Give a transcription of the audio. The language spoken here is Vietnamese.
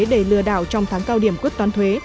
để lừa đảo trong tháng cao điểm quyết toán thuế